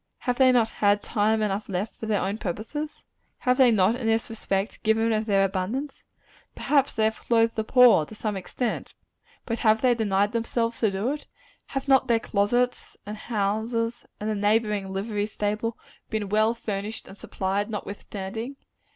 Have they not had time enough left for their own purposes? Have they not, in this respect, given of their abundance? Perhaps they have clothed the poor, to some extent; but have they denied themselves to do it? Have not their closets, and houses, and the neighboring livery stable, been well furnished and supplied, notwithstanding?